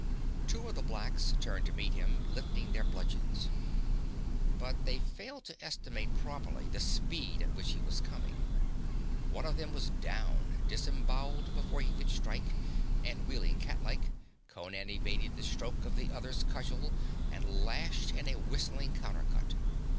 Two of the blacks turned to meet him, lifting their bludgeons. But they failed to estimate properly the speed at which he was coming. One of them was down, disemboweled, before he could strike, and wheeling cat like, Conan evaded the stroke of the other's cudgel and lashed in a whistling counter cut.